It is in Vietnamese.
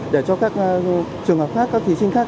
để cho các trường hợp khác các thí sinh khác